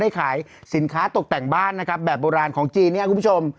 ขายสินค้าตกแต่งบ้านนะครับแบบโบราณของจีนเนี่ยคุณผู้ชม